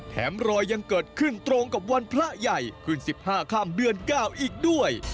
แถมรอยยังเกิดขึ้นตรงกับวันพระใหญ่ขึ้น๑๕ค่ำเดือน๙อีกด้วย